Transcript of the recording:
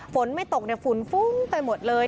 ฝนไม่ตกฝุ่นฟุ้งไปหมดเลย